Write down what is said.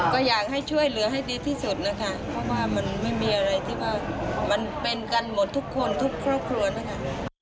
ก็อยากให้ช่วยเหลือให้ดีที่สุดนะคะเพราะว่ามันไม่มีอะไรที่ว่ามันเป็นกันหมดทุกคนทุกครอบครัวนะคะ